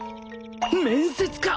面接か！